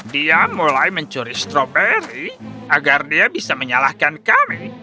dia mulai mencuri stroberi agar dia bisa menyalahkan kami